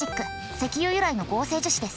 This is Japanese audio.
石油由来の合成樹脂です。